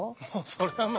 そりゃあ